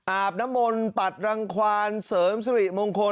อาบน้ำมนต์ปัดรังควานเสริมสิริมงคล